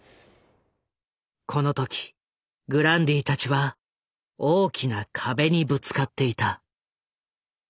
この時グランディたちは大きな壁にぶつかっていた。